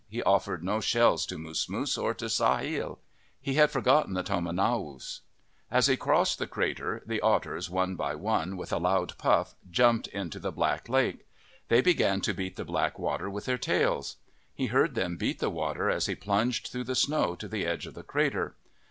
He offered no shells to Moosmoos or to Sahale. He had forgotten the tomanowos. As he crossed the crater, the otters, one by one, with a loud puff, jumped into the black lake. They began to beat the black water with their tails. He heard them beat the water as he plunged through the snow to the edge of the crater.